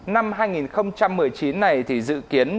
năm hai nghìn một mươi chín này thì dự kiến